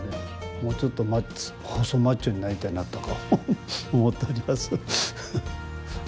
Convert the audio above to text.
もうちょっと細マッチョになりたいなとか思っております。